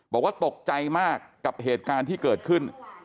บอกว่าตกใจมากกับเหตุการณ์ที่เกิดขึ้น